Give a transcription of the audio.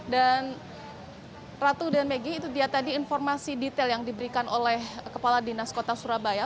dan ratu dan megi itu dia tadi informasi detail yang diberikan oleh kepala dinas kota surabaya